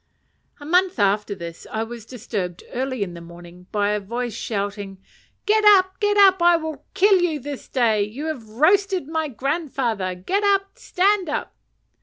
A month after this I was disturbed early in the morning, by a voice shouting "Get up! get up! I will kill you this day. You have roasted my grandfather. Get up! stand up!"